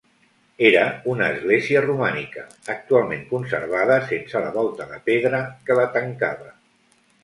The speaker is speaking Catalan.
Era una església romànica, actualment conservada sense la volta de pedra que la tancava.